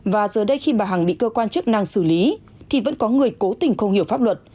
và giờ đây khi bà hằng bị cơ quan chức năng xử lý thì vẫn có người cố tình không hiểu pháp luật